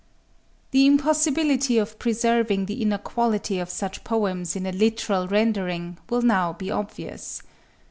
The impossibility of preserving the inner quality of such poems in a literal rendering, will now be obvious.